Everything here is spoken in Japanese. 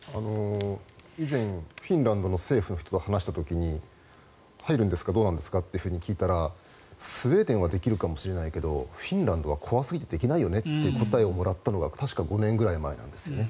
以前フィンランドの政府の人と話した時に入るんですかどうなんですかって聞いた時にスウェーデンはできるかもしれないけどフィンランドは怖すぎてできないよねって答えをもらったのが確か５年くらい前なんですね。